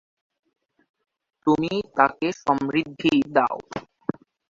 তুমি তাঁকে সমৃদ্ধি দাও।""